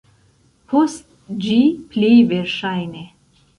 Post ĝi, pli verŝajne.